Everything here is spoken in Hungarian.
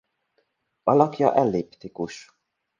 Alakja elliptikus.